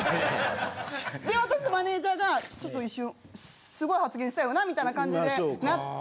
で私とマネジャーがちょっと一瞬すごい発言したよなみたいな感じでなって。